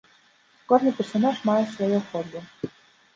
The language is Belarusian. Кожны персанаж мае сваё хобі.